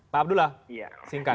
pak abdullah singkat